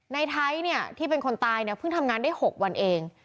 ในไทยเนี่ยที่เป็นคนตายเนี่ยเพิ่งทำงานได้๖วันเอง